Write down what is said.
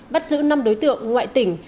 bắt giữ năm đối tượng ngoại tỉnh